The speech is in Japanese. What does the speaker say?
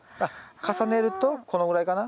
重ねるとこのぐらいかな。